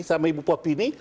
sama ibu popi ini